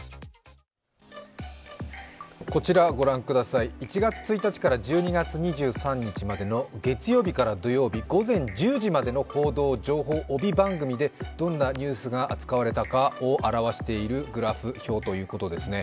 こちら御覧ください、１月１日から１２月２３日までの月曜日から土曜日午前１０時までの報道、情報、帯番組でどんなニュースが扱われたかを示すグラフ表ということですね。